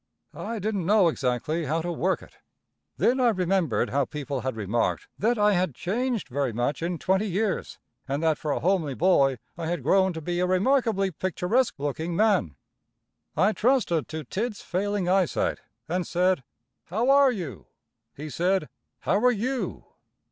I didn't know exactly how to work it. Then I remembered how people had remarked that I had changed very much in twenty years, and that for a homely boy I had grown to be a remarkably picturesque looking man. I trusted to Tidd's failing eyesight and said: "How are you?" He said, "How are you?"